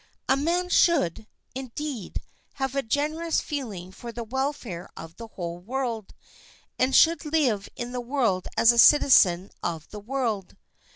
A man should, indeed, have a generous feeling for the welfare of the whole world, and should live in the world as a citizen of the world.